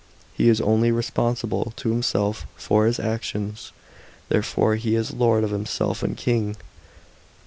^ He is only responsible to himself for his actions ; therefore he is lord of himself and king.